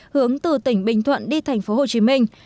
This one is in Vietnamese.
hướng từ tỉnh bình thuận đi thành phố hồ chí minh